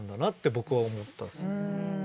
僕は思ったんですよ。